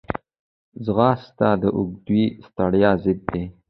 ځغاسته د اوږدې ستړیا ضد ده